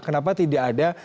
kenapa tidak ada